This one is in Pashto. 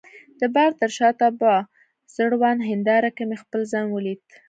د بار تر شاته په ځوړند هنداره کي مې خپل ځان ولید.